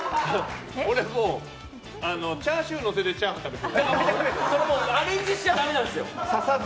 俺、チャーシューのせてチャーハン食べてる。